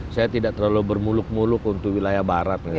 saya tidak terlalu bermuluk muluk untuk wilayah barat